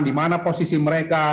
di mana posisi mereka